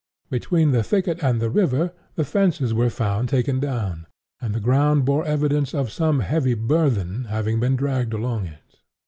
Between the thicket and the river, the fences were found taken down, and the ground bore evidence of some heavy burthen having been dragged along it.